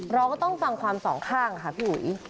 เราก็ต้องฟังความสองข้างค่ะพี่อุ๋ย